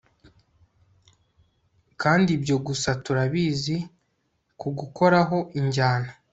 Kandi ibyo gusa turabizi ku gukoraho injyana